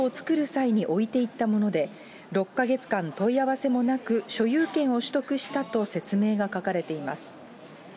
際に置いていったもので、６か月間問い合わせもなく、所有権を取得したと説明が書かれています。